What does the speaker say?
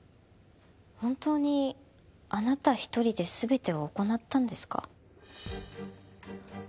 本当にあなた一人で全てを行ったんですか？